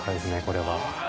これは。